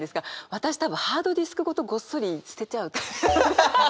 私多分ハードディスクごとごっそり捨てちゃう。